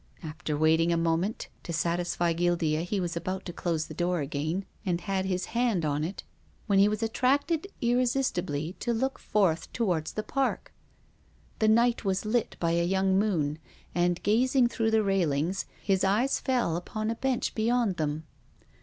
After waiting a moment — to satisfy Guildea, he was about to close the door again, and had his hand on it, when he 338 TONGUES OF CONSCIEK'CE. was attracted irresistibly to look forth towards the park. The night was lit by a young moon, and, gazing through the railings, his eyes fell upon a bench beyond them.